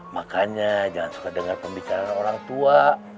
makanya jangan suka dengar pembicaraan orang tua